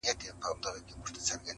• پر هوښ راغی ته وا مړی را ژوندی سو -